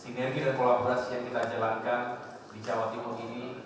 sinergi dan kolaborasi yang kita jalankan di jawa timur ini